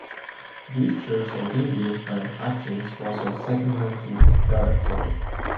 This church had been built while Hutchings was on secondment to Barrackpore.